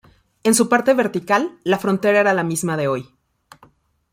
En su parte vertical, la frontera era la misma de hoy.